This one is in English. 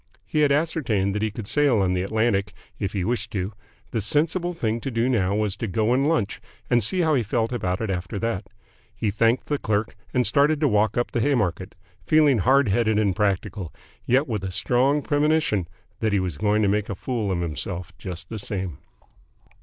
He had ascertained that he could sail on the Atlantic if he wished to. The sensible thing to do now was to go and lunch and see how he felt about it after that. He thanked the clerk, and started to walk up the Haymarket, feeling hard headed and practical, yet with a strong premonition that he was going to make a fool of himself just the same.